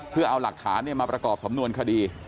เพื่อเอาหลักฐานมาประกอบสำนวนคดี